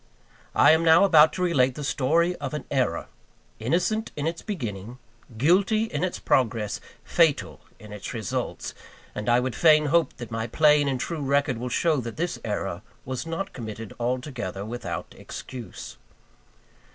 I am now about to relate the story of an error, innocent in its beginning, guilty in its progress, fatal in its results; and I would fain hope that my plain and true record will show that this error was not committed altogether without excuse.